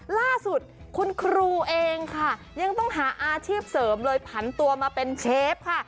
ล่าสุดคุณครูเองค่ะยังต้องหาอาชีพเสริมเลยผันตัวมาเป็นเชฟค่ะ